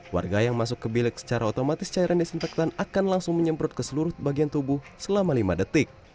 warga yang masuk ke bilik secara otomatis cairan disinfektan akan langsung menyemprot ke seluruh bagian tubuh selama lima detik